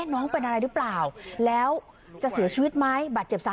น้องเป็นอะไรหรือเปล่าแล้วจะเสียชีวิตไหมบาดเจ็บสาหัส